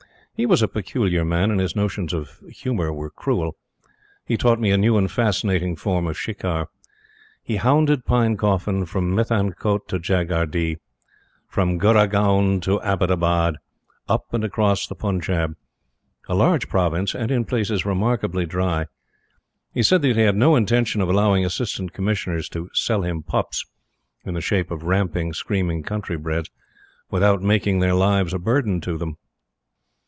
He was a peculiar man, and his notions of humor were cruel. He taught me a new and fascinating form of shikar. He hounded Pinecoffin from Mithankot to Jagadri, and from Gurgaon to Abbottabad up and across the Punjab, a large province and in places remarkably dry. He said that he had no intention of allowing Assistant Commissioners to "sell him pups," in the shape of ramping, screaming countrybreds, without making their lives a burden to them.